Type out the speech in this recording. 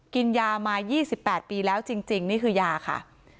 กินยามา๒๘ปีแล้วจริงนี่คือยาค่ะ